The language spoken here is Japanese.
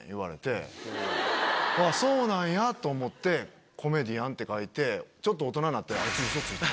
あっそうなんや！と思って「コメディアン」って書いてちょっと大人になって。